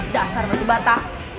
dasar batu bata